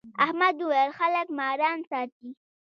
احمد وويل: خلک ماران ساتي.